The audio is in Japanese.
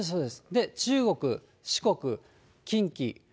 で、中国、四国、近畿。